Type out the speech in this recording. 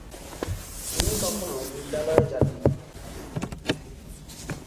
তিনি কখনো বিদ্যালয়ে যান নি।